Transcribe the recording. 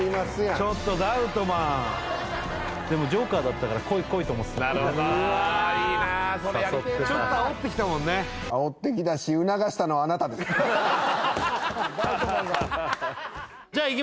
ちょっとダウトマンでもジョーカーだったからこいこいと思ってたいいな